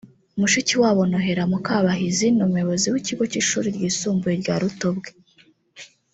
mushiki wabo Noella Mukabahizi n’umuyobozi w’Ikigo cy’Ishuri Ryisumbuye rya Rutobwe